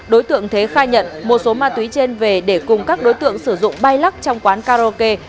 đối tượng thế khai nhận một số ma túy trên về để cùng các đối tượng sử dụng bay lắc trong quán karaoke